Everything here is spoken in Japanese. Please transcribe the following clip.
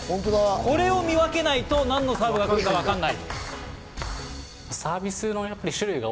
これを見わけないとなんのサーブが来るのかわからない。